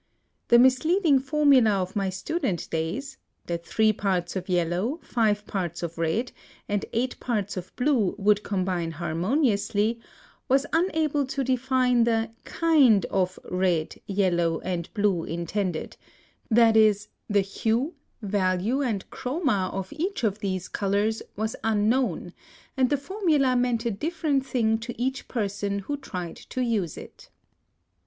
The misleading formula of my student days that three parts of yellow, five parts of red, and eight parts of blue would combine harmoniously was unable to define the kind of red, yellow, and blue intended; that is, the hue, value, and chroma of each of these colors was unknown, and the formula meant a different thing to each person who tried to use it.